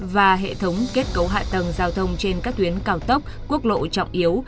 và hệ thống kết cấu hạ tầng giao thông trên các tuyến cao tốc quốc lộ trọng yếu